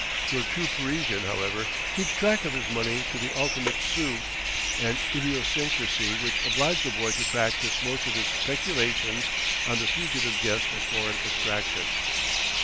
Your true Parisian, however, keeps track of his money to the ultimate sou, an idiosyncrasy which obliged the boy to practise most of his peculations on the fugitive guest of foreign extraction.